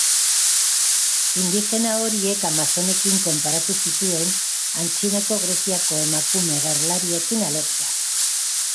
Indigena horiek amazonekin konparatu zituen, Antzinako Greziako emakume gerlariekin, alegia.